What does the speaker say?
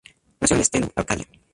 Nació en Steno, Arcadia.